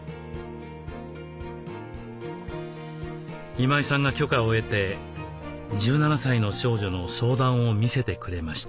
今井さんが許可を得て１７歳の少女の相談を見せてくれました。